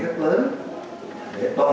pháp luật này nó phải không